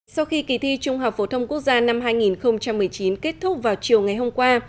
sau khi kỳ thi trung học phổ thông quốc gia năm hai nghìn một mươi chín kết thúc vào chiều ngày hôm qua